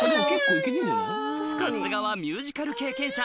さすがはミュージカル経験者